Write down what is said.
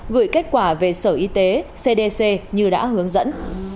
gửi kết quả về sở y tế cdc như đã hướng dẫn